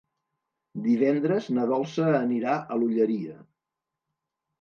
Divendres na Dolça anirà a l'Olleria.